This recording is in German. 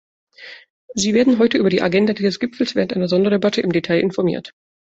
Sie werden heute über die Agenda dieses Gipfels, während einer Sonderdebatte, im Detail informiert.